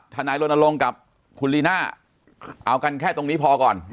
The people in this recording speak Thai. นายรณรงค์กับคุณลีน่าเอากันแค่ตรงนี้พอก่อน